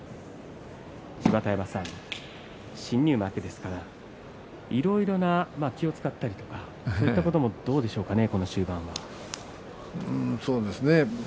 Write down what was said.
芝田山さん、新入幕ですからいろいろな気を遣ったりとかそういったこともそうですね。